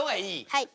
はい。